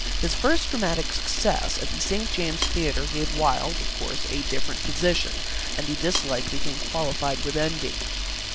His first dramatic success at the St. James's Theatre gave Wilde, of course, a different position, and the dislike became qualified with envy.